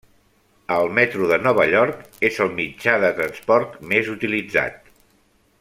El Metro de Nova York és el mitjà de transport més utilitzat.